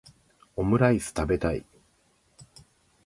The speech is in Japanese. オムライス食べたい